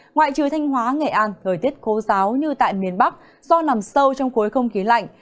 ngoại trừ thanh hóa nghệ an thời tiết khô giáo như tại miền bắc do nằm sâu trong khối không khí lạnh